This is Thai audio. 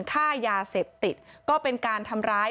ฆ่ายาเสพติดก็เป็นการทำร้าย